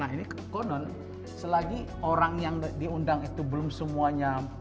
nah ini konon selagi orang yang diundang itu belum semuanya